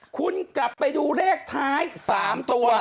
คุณกลับไปดูเลขท้าย๓ตัว